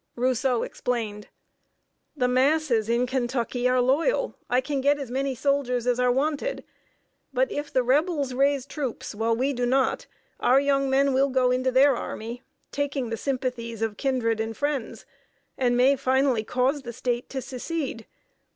Rousseau explained: "The masses in Kentucky are loyal. I can get as many soldiers as are wanted; but if the Rebels raise troops, while we do not, our young men will go into their army, taking the sympathies of kindred and friends, and may finally cause the State to secede.